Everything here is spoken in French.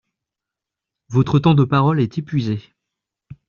Votre temps de parole est épuisé.